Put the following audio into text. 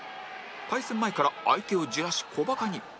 対戦前から相手をじらし小バカに